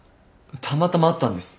たまたま会ったんです